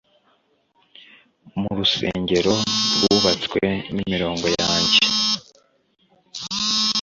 Mu rusengero rwubatswe nimirongo yanjye